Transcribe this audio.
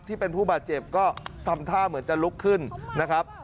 ที่เป็นผู้บาดเจ็บก็ทำท่าเหมือนจะลุกขึ้นนะครับ